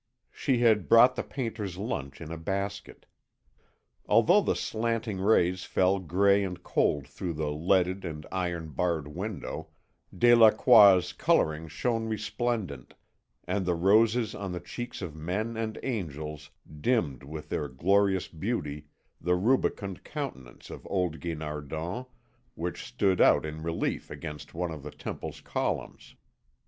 She had brought the painter's lunch in a basket. Although the slanting rays fell grey and cold through the leaded and iron barred window, Delacroix's colouring shone resplendent, and the roses on the cheeks of men and angels dimmed with their glorious beauty the rubicund countenance of old Guinardon, which stood out in relief against one of the temple's columns.